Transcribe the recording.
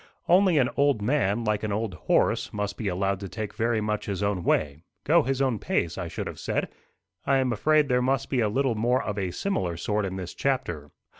Only an old man, like an old horse, must be allowed to take very much his own way go his own pace, I should have said. I am afraid there must be a little more of a similar sort in this chapter.